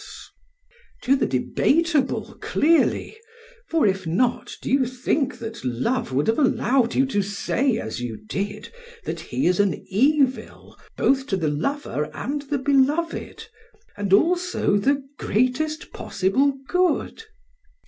PHAEDRUS: To the debatable, clearly; for if not, do you think that love would have allowed you to say as you did, that he is an evil both to the lover and the beloved, and also the greatest possible good?